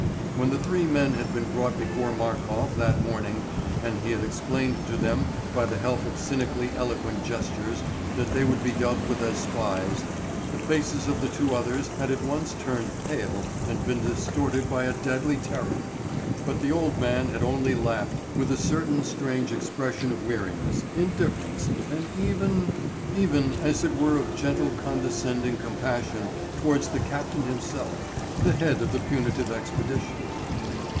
When the three men had been brought before Markof that morning and he had explained to them by the help of cynically eloquent gestures that they would be dealt with as spies, the faces of the two others had at once turned pale and been distorted by a deadly terror; but the old man had only laughed with a certain strange expression of weariness, indifference, and even ... even as it were of gentle condescending compassion towards the captain himself, the head of the punitive expedition.